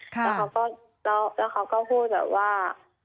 แล้วเขาก็พูดแบบว่า